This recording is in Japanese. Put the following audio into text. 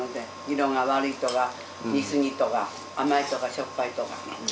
色が悪いとか煮過ぎとか甘いとかしょっぱいとか。